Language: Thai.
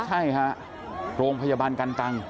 ใช่ฮะโรงพจบันกันตัง